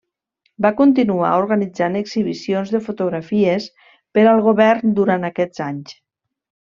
Va continuar organitzant exhibicions de fotografies per al govern durant aquests anys.